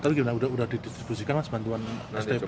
tapi gimana sudah didistribusikan mas bantuan stp